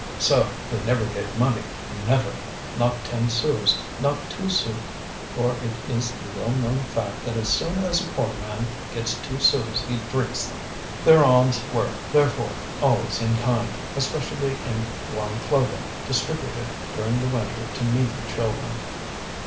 So they never gave money, never! Not ten sous, not two sous, for it is a well known fact that as soon as a poor man gets two sous he drinks them. Their alms were, therefore, always in kind, especially in warm clothing, distributed during the winter to needy children.